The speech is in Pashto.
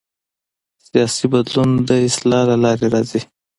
سیاسي بدلون د اصلاح له لارې راځي